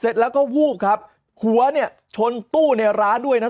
เสร็จแล้วก็วูบครับหัวเนี่ยชนตู้ในร้านด้วยนะ